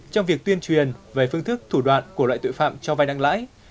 trong việc tuyên truyền về phương thức thủ đoạn của loại tội phạm cho vai nặng lãi